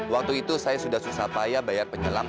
waktu itu saya sudah susah payah bayar penyelam